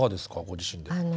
ご自身では。